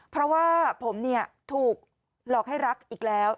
เพราะว่าผมถูกหลอกให้รักอีกแล้ว